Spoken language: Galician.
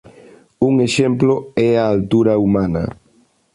Un exemplo é a altura humana.